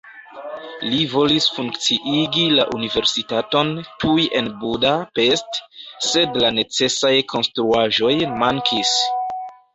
Li volis funkciigi la universitaton tuj en Buda-Pest, sed la necesaj konstruaĵoj mankis.